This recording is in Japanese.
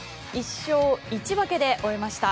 １勝１分けで終えました。